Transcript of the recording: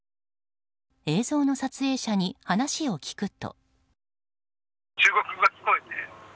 映像の撮影者に話を聞くと。